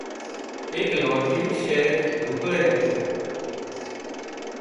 ايڪ لانڍي شهر ڍوڪڙي هتون